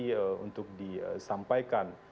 jadi untuk disampaikan